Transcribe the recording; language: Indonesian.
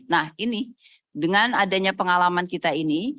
nah ini dengan adanya pengalaman kita ini